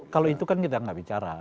kalau itu kan kita nggak bicara